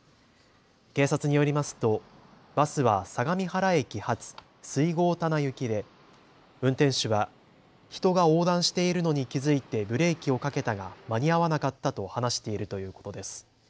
警察によりますとバスは相模原駅発水郷田名行きで運転手は人が横断しているのに気付いてブレーキをかけたが間に合わなかったと話しているということです。